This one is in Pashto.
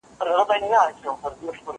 د باښو او د کارګانو هم نارې سوې